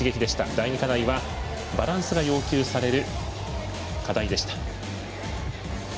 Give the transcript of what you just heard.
第２課題はバランスが要求される課題でした。